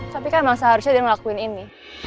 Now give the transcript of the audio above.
tapi kan emang seharusnya dia ngelakuin ini